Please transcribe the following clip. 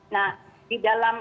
nah di dalam